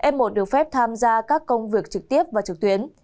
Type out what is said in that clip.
f một được phép tham gia các công việc trực tiếp và trực tuyến